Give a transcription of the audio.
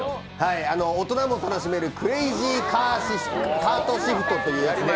大人も楽しめるクレイジーカートシフトという。